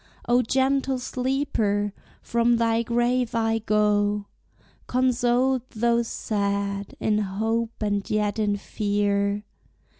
Oh gentle sleeper, from thy grave I go Consoled though sad, in hope and yet in fear.